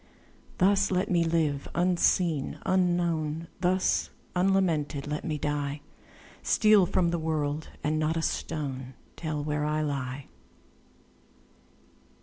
Thus let me live, unseen, unknown; Thus unlamented let me die; Steal from the world, and not a stone Tell where I lie.